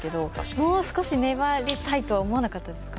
もう少しねばりたいとは思わなかったですか？